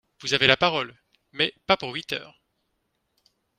Vous avez la parole, mais pas pour huit heures